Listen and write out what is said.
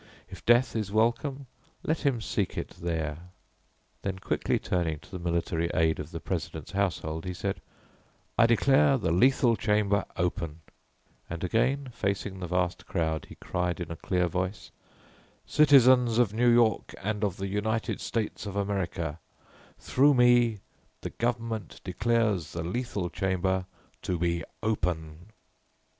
If death is welcome let him seek it there." Then quickly turning to the military aid of the President's household, he said, "I declare the Lethal Chamber open," and again facing the vast crowd he cried in a clear voice: "Citizens of New York and of the United States of America, through me the Government declares the Lethal Chamber to be open."